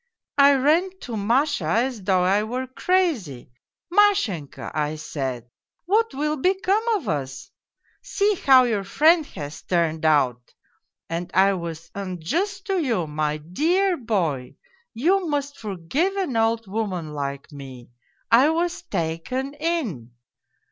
I ran to Masha as though I were crazy :" Mashenka," I said, " what will become of us ! See how your friend has turned out !" and I was unjust to you, my dear boy, You must forgive an old woman like me, I was taken in